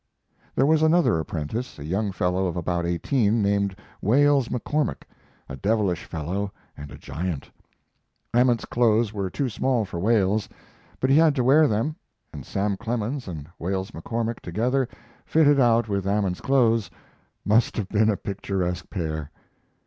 There was another apprentice, a young fellow of about eighteen, named Wales McCormick, a devilish fellow and a giant. Ament's clothes were too small for Wales, but he had to wear them, and Sam Clemens and Wales McCormick together, fitted out with Ament's clothes, must have been a picturesque pair.